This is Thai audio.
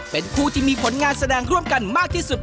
เป็นผู้ที่มีผลงานแสดงร่วมกันมากที่สุด